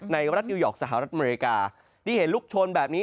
รัฐนิวยอร์กสหรัฐอเมริกาที่เห็นลุกชนแบบนี้